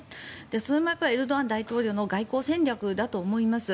それもやっぱりエルドアン大統領の外交戦略だと思います。